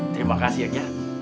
terima kasih ya gerd